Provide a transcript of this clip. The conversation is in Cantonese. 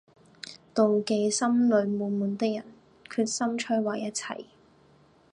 妒忌心裏滿滿的人，決心摧毀一切